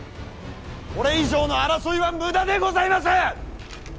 これ以上の争いは無駄でございます！